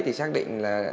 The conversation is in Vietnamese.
thì xác định là